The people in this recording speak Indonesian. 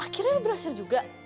akhirnya lu berhasil juga